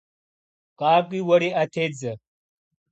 КъакӀуи, уэри Ӏэ тедзэ.